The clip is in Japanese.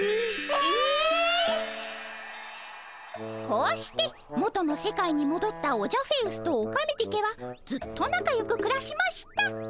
こうして元の世界にもどったオジャフェウスとオカメディケはずっとなかよくくらしました。